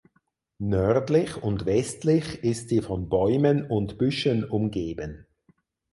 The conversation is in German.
Nördlich und westlich ist sie von Bäumen und Büschen umgeben.